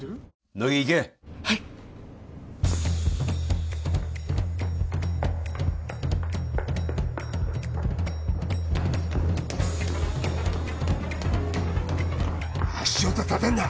乃木行けはい足音立てんな